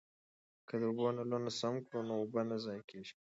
که د اوبو نلونه سم کړو نو اوبه نه ضایع کیږي.